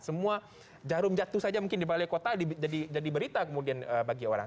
semua jarum jatuh saja mungkin di balai kota jadi berita kemudian bagi orang